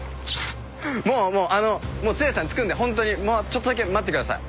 せいやさん着くんでホントにちょっとだけ待ってください。